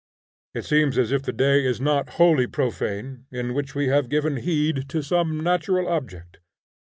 It seems as if the day was not wholly profane in which we have given heed to some natural object.